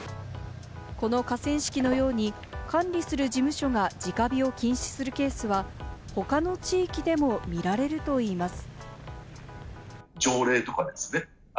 この河川敷のように管理する事務所が直火を禁止するケースは、他の地域でも見られるといいます。